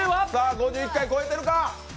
５１回超えてるか？